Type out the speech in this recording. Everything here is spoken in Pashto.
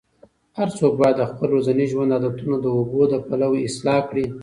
هر څوک باید د خپل ورځني ژوند عادتونه د اوبو له پلوه اصلاح کړي.